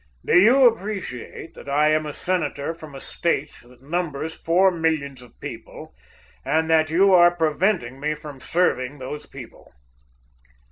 Do you appreciate that I am a senator from a State that numbers four millions of people, and that you are preventing me from serving those people?"